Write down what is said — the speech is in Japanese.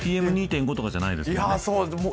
ＰＭ２．５とかじゃないですよね。